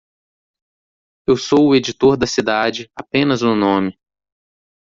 Eu sou o editor da cidade apenas no nome.